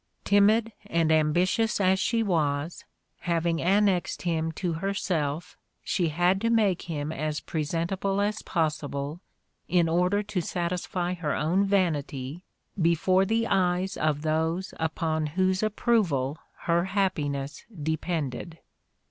Timid and ambitious as she was, hav ing annexed him to herself she had to make him as pre sentable as possible in order to satisfy her own vanity before the eyes of those upon whose approval her hap piness depended.